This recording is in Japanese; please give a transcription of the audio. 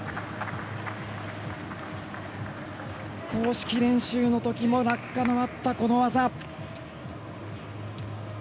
公式練習の時も落下があったこの技。